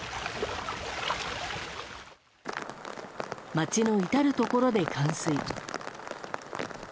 町の至るところで冠水。